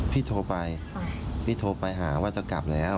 พี่โทรไปพี่โทรไปหาว่าจะกลับแล้ว